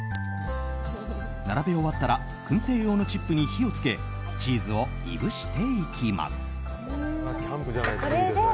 並べ終わったら燻製用のチップに火をつけチーズをいぶしていきます。